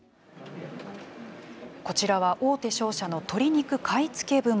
こちらは、大手商社の鶏肉買い付け部門。